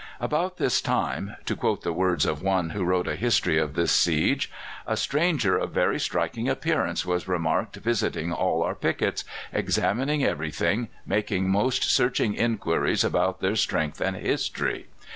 "About this time" to quote the words of one who wrote a history of this siege "a stranger of very striking appearance was remarked visiting all our pickets, examining everything, making most searching inquiries about their strength and history.